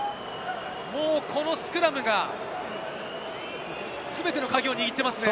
もう、このスクラムが全てのカギを握っていますね。